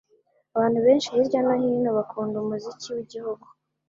Abantu benshi hirya no hino bakunda umuziki wigihugu.